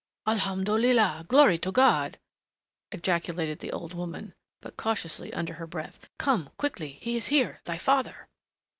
"Alhamdolillah Glory to God!" ejaculated the old woman, but cautiously under her breath. "Come quickly he is here thy father!